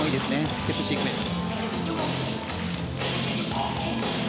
ステップシークエンス。